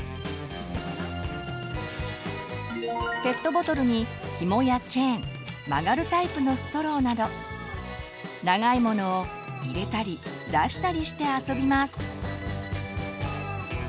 ペットボトルにひもやチェーン曲がるタイプのストローなど長いものを入れたり出したりして遊びます。